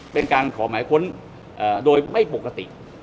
เป็นการขอหมายค้นโดยไม่ปกติ